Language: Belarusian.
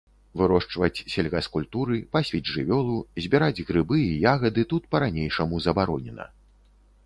Вырошчваць сельгаскультуры, пасвіць жывёлу, збіраць грыбы і ягады тут па-ранейшаму забаронена.